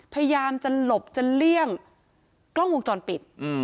พยายามจะหลบจะเลี่ยงกล้องวงจรปิด